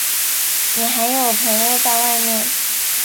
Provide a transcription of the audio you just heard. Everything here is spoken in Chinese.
你还有朋友在外面？